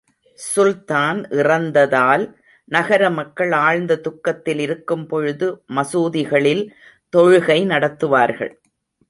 சுல்தான் இறந்ததால், நகரமக்கள் ஆழ்ந்த துக்கத்தில் இருக்கும்பொழுது மசூதிகளில் தொழுகை நடத்துவார்கள்.